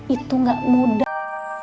itu gak mudah